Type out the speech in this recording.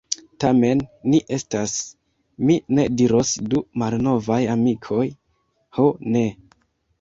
Tamen ni estas, mi ne diros du malnovaj amikoj, ho ne!